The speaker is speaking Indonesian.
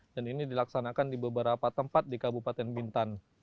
dan ini dilaksanakan di beberapa tempat di kabupaten bintan